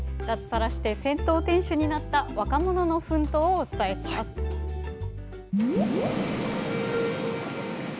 脱サラして銭湯店主になった若者の奮闘をお伝えします。